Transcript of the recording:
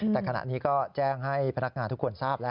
แต่ขณะนี้ก็แจ้งให้พนักงานทุกคนทราบแล้ว